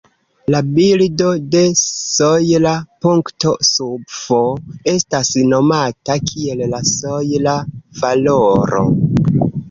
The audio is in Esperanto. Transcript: La bildo de sojla punkto sub "f" estas nomata kiel la sojla valoro.